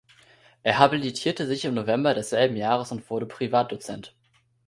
Er habilitierte sich im November desselben Jahres und wurde Privatdozent.